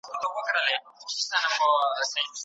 موږ بايد قدر يې وکړو.